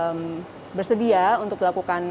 memang tidak banyak orang yang bersedia untuk melakukan proses